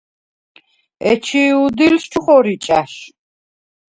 ეჩი̄ უდილს ჩუ ხორი ჭა̈შ.